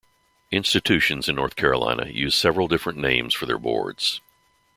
Institutions in North Carolina use several different names for their boards.